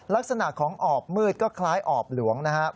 ลักษณะของออบมืดก็คล้ายออบหลวงนะครับ